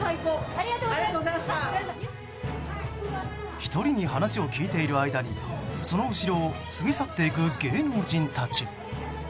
１人に話を聞いている間にその後ろを過ぎ去っていく芸能人たち。